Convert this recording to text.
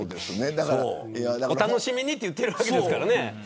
お楽しみにって言ってるわけですから。